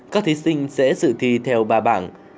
các thí sinh sẽ dự thi theo ba bảng